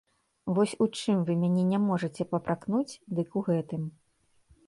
Вось у чым вы мяне не можаце папракнуць, дык у гэтым.